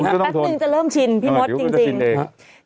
แป๊บนึงจะเริ่มชินพี่มดจริง